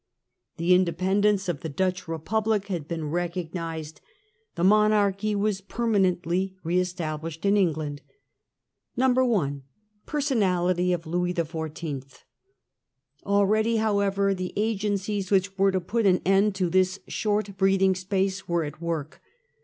The independence of the Dutch Republic had been recognised. The monarchy was permanently re established in England. i66o. Personality of Louis XIV \ 105 1. Personality of Louis XIV. Already however the agencies which were to put an end to this short breathing space were at work.